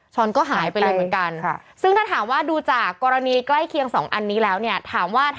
ตอนนี่ชมหายไปแล้วนะ